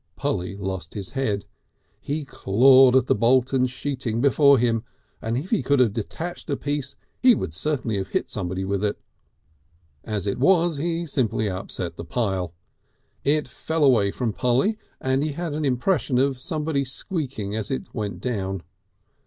Polly lost his head. He clawed at the Bolton sheeting before him, and if he could have detached a piece he would certainly have hit somebody with it. As it was he simply upset the pile. It fell away from Polly, and he had an impression of somebody squeaking as it went down.